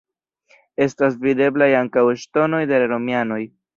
Estas videblaj ankaŭ ŝtonoj de la romianoj.